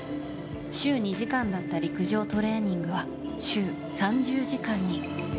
週２時間だった陸上トレーニングは週３０時間に。